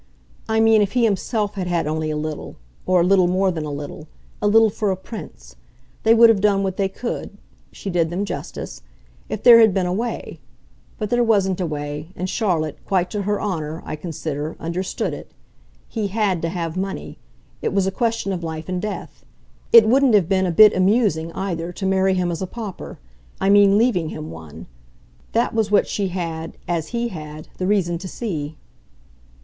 "I mean if he himself had had only a little or a little more than a little, a little for a prince. They would have done what they could" she did them justice" if there had been a way. But there wasn't a way, and Charlotte, quite to her honour, I consider, understood it. He HAD to have money it was a question of life and death. It wouldn't have been a bit amusing, either, to marry him as a pauper I mean leaving him one. That was what she had as HE had the reason to see."